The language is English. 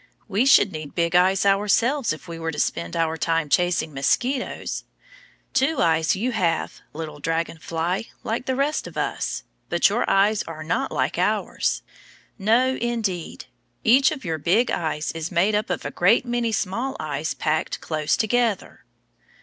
We should need big eyes ourselves if we were to spend our time chasing mosquitoes. Two eyes you have, little dragon fly, like the rest of us, but your eyes are not like ours. No, indeed! Each of your big eyes is made up of a great many small eyes packed close together.